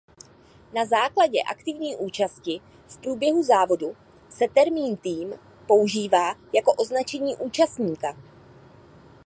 Na základě aktivní účasti v průběhu závodu se termín "tým" používá jako označení účastníka.